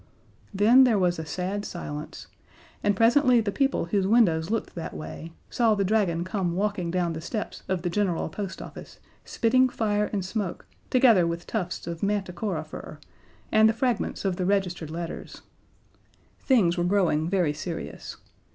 Then there was a sad silence, and presently the people whose windows looked that way saw the Dragon come walking down the steps of the General Post Office spitting fire and smoke, together with tufts of Manticora fur, and the fragments of the registered letters. Things were growing very serious.